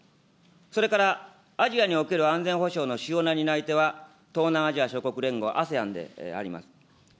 それから、アジアにおける安全保障の主要な担い手は、東南アジア諸国連合・ＡＳＥＡＮであります。